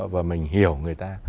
và mình hiểu người ta